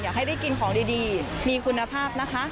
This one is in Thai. ให้ได้กินของดีมีคุณภาพนะคะ